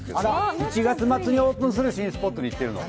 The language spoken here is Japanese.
１月末にオープンする新スポットに行ってるの。